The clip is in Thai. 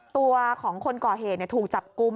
ตัวของคนก่อเหตุถูกจับกลุ่ม